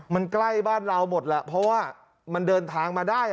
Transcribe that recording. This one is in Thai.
มันใกล้บ้านเราหมดแหละเพราะว่ามันเดินทางมาได้